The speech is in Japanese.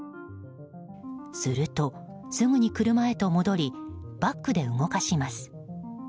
すると、すぐに車へと戻りバックで動かします。